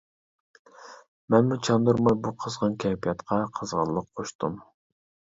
مەنمۇ چاندۇرماي بۇ قىزغىن كەيپىياتقا قىزغىنلىق قوشتۇم.